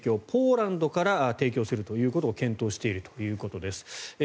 ポーランドから提供するということを検討しているということです。